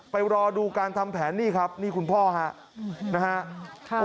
ไปรอดูการทำแผนนี่ครับนี่คุณพ่อนะครับ